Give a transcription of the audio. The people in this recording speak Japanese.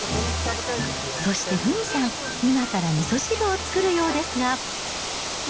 そしてふみさん、今からみそ汁を作るようですが。